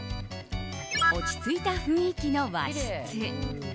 落ち着いた雰囲気の和室。